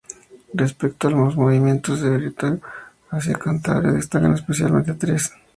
Respecto a los movimiento migratorio hacia Cantabria destacan especialmente tres.